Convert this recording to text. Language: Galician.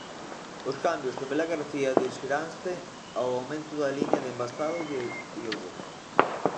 Os cambios en Vilagarcía dirixiranse ao aumento da liña de envasado de iogur.